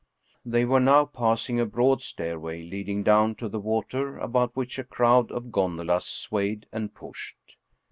They were now passing a broad stairway leading down to the water, about which a crowd of gondolas swayed and pushed.